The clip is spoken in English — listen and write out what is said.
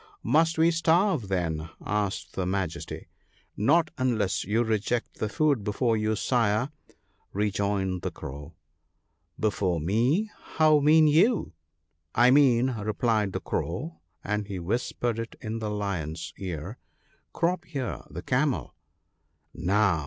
PEACE. 133 " Must we starve, then ?" asked his Majesty. "Not unless you reject the food before you, Sire," re joined the Crow. " Before me ! how mean you ?"" I mean," replied the Crow (and he whispered it in the Lion's ear), " Crop ear, the Camel !"" Now